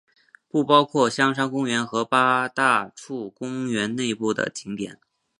不包括香山公园和八大处公园内部的景点。